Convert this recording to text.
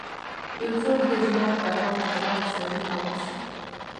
یو څوک دي زما پیغام اېمل پسرلي ته ورسوي!